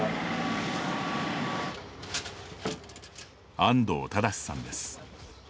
安東正さんです。